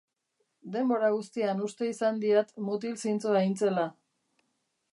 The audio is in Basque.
Denbora guztian uste izan diat mutil zintzoa hintzela.